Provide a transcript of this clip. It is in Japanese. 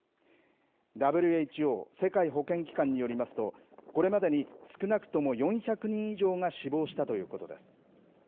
ＷＨＯ・世界保健機関によりますと、これまでに少なくとも４００人以上が死亡したということです。